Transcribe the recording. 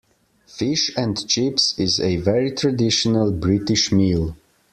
Fish and chips is a very traditional British meal